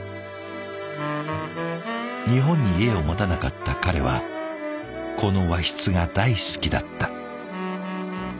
日本に家を持たなかった彼はこの和室が大好きだった。